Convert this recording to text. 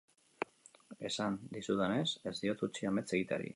Esan dizudanez, ez diot utzi amets egiteari.